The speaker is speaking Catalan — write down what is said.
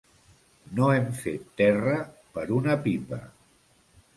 No hem fet terra per una pipa.